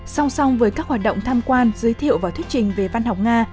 song song với các hoạt động tham quan giới thiệu và thuyết trình về văn học nga